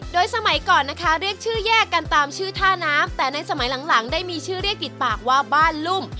โดยสมัยก่อนนะคะเรียกชื่อแยกกันตามชื่อท่าน้ำแต่ในสมัยหลังได้มีชื่อเรียกติดปากว่าบ้านลุ่ม